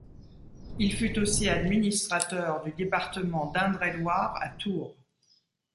Il fut aussi administrateur du département d'Indre-et-Loire, à Tours.